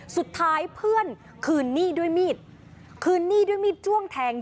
สุดท้ายเพื่อนคืนหนี้ด้วยมีดคืนหนี้ด้วยมีดจ้วงแทง